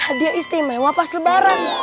hadiah istimewa pas lebaran